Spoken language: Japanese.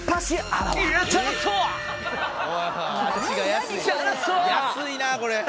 安い安いなこれ。